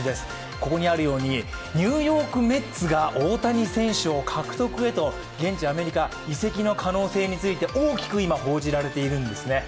ここにあるようにニューヨーク・メッツが大谷選手を獲得へと、現地アメリカ、移籍の可能性について大きく報じられているんですね。